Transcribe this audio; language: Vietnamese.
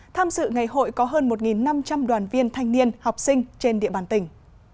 tham dự ngày hội có hơn một năm trăm linh đoàn viên thanh niên học sinh trên địa bàn tỉnh